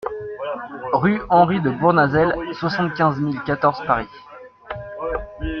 RUE HENRY DE BOURNAZEL, soixante-quinze mille quatorze Paris